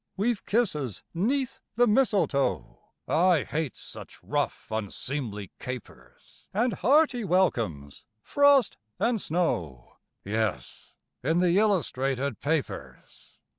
_) We've kisses 'neath the mistletoe (I hate such rough, unseemly capers!) And hearty welcomes, frost and snow; (_Yes, in the illustrated papers.